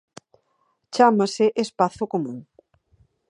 Chámase Espazo Común.